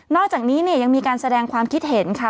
อกจากนี้เนี่ยยังมีการแสดงความคิดเห็นค่ะ